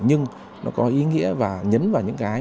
nhưng nó có ý nghĩa và nhấn vào những cái